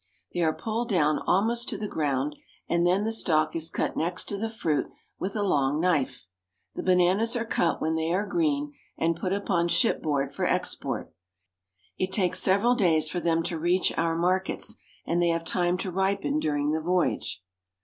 They are pulled down almost to the ground, and then the stalk is cut next to the fruit with a long knife. The bananas are cut when they are green, and put upon ship board for export. It takes several days for them to reach our markets, and they have time to ripen during the voyage.